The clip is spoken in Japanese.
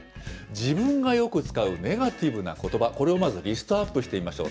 自分がよく使うネガティブなことば、これをまずリストアップしてみましょう。